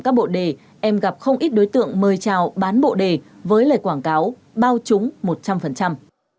các bộ đề em gặp không ít đối tượng mời chào bán bộ đề với lời quảng cáo bao trúng một trăm linh